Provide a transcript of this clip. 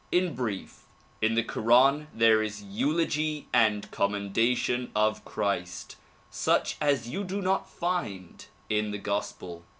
In brief, in the koran there is eulogy and commendation of Christ such as you do not find in the gospel.